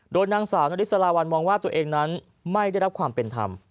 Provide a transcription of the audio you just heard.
โดยนางสาวนริสลาวัลมองว่าตัวเองนั้นไม่ได้รับความเป็นธรรม